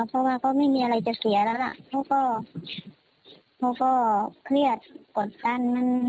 เพราะว่าก็ไม่มีอะไรจะเสียแล้วล่ะเขาก็เขาก็เครียดกดดัน